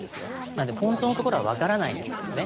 なので本当のところはわからないんですよね。